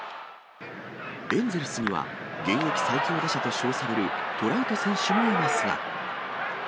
エンゼルスには現役最強打者と称されるトラウト選手もいますが。